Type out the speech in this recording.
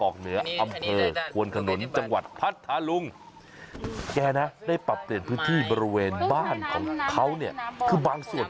คือหอยหอยอะไรครับหอยโคง